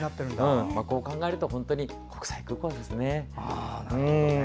こう考えると本当に国際空港ですね。